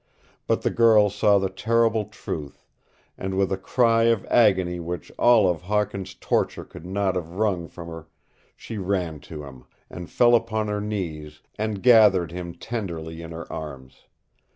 But the girl saw the terrible truth, and with a cry of agony which all of Hawkin's torture could not have wrung from her she ran to him, and fell upon her knees, and gathered him tenderly in her arms.